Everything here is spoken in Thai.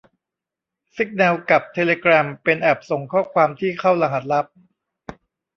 ซิกแนลกับเทเลแกรมเป็นแอปส่งความที่เข้ารหัสลับ